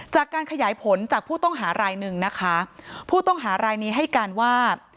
จากการขยายผลจากผู้ต้องหารายหนึ่งนะคะผู้ต้องหารายนี้ให้การว่า